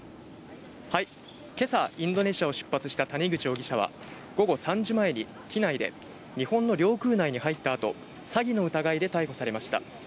けさ、インドネシアを出発した谷口容疑者は、午後３時前に、機内で日本の領空内に入ったあと、詐欺の疑いで逮捕されました。